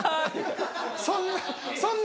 そんな。